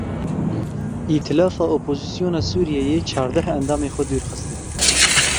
Îtilafa Opozisyona Sûriyeyê çardeh endamên xwe dûr xistin.